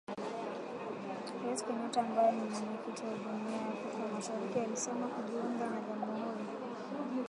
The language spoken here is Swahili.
Rais Kenyatta ambaye ni Mwenyekiti wa Jumuiya ya Afrika Mashariki alisema kujiunga kwa Jamhuri ya Kidemokrasia ya Kongo kutaleta faida